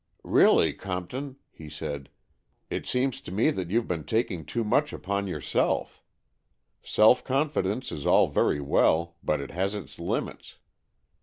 " Really, Compton," he said, " it seems to me that you've been taking too much upon yourself. Self confidence is all very well, but it has its limits.